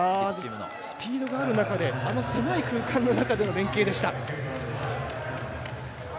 スピードがある中であの狭い空間の中での連係でした。